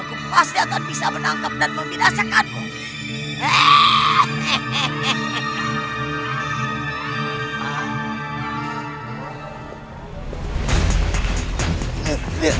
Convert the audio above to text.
aku pasti akan bisa menangkap dan membirasakanku